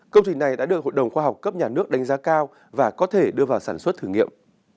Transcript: công trình này đã được hội đồng khoa học cấp nhà nước đánh giá cao và có thể đưa vào sản xuất thử nghiệm